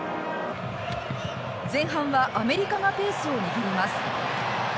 前半はアメリカがペースを握ります。